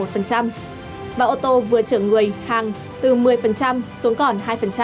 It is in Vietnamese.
và ô tô vừa chở người hàng từ một mươi xuống còn hai